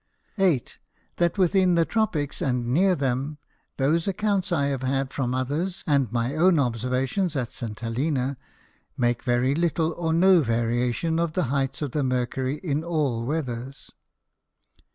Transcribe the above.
8. That within the Tropicks and near them, those Accounts I have had from others, and my own Observation at St. Helena, make very little or no Variation of the height of the Mercury in all Weathers.